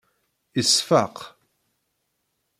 Iseffeq.